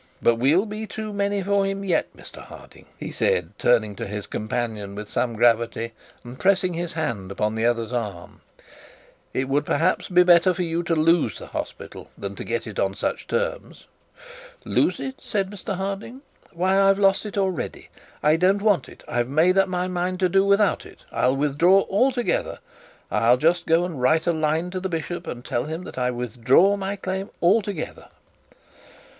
But we'll be too many for him yet, Mr Harding;' he said, turning to his companion with some gravity, and pressing his hand on the other's arm. 'It would, perhaps, be better for you to lose the hospital than get it on such terms.' 'Lose it!' said Mr Harding; 'why I've lost it already. I don't want it. I've made up my mind to do without it. I'll withdraw altogether. I'll just go and write a line to the bishop and tell him that I withdraw my claim altogether.'